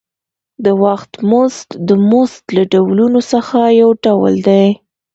د وخت مزد د مزد له ډولونو څخه یو ډول دی